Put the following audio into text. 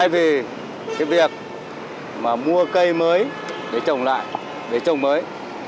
vì việc mua cây mới để trồng lại để trồng mới